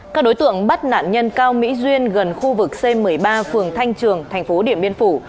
các đối tượng bắt nạn nhân cao mỹ duyên gần khu vực c một mươi ba phường thanh trường thành phố điện biên phủ